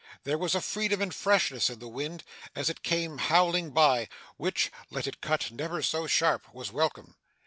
There was a freedom and freshness in the wind, as it came howling by, which, let it cut never so sharp, was welcome.